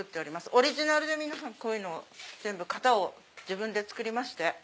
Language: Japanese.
オリジナルでこういうの全部型を自分で作りまして。